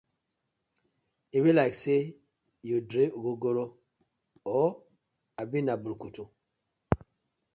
E bi like say yu dring ogogoro or abi na brukutu.